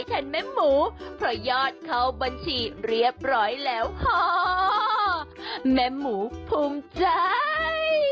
เจอเจ็ดริมเจาะ